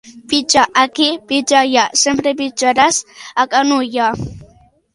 Pixa aquí, pixa allà, sempre pixaràs a Can Ullà.